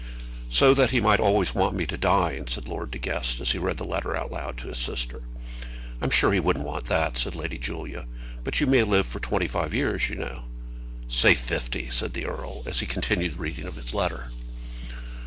"So that he might always want me to be dying," said Lord De Guest, as he read the letter out loud to his sister. "I'm sure he wouldn't want that," said Lady Julia. "But you may live for twenty five years, you know." "Say fifty," said the earl. And then he continued the reading of his letter.